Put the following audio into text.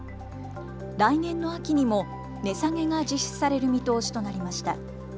来年の秋にも値下げが実施される見通しとなりました。